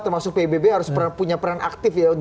termasuk pbb harus punya peran aktif ya